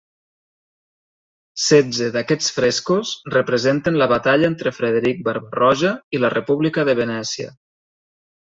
Setze d'aquests frescos representen la batalla entre Frederic Barba-roja i la República de Venècia.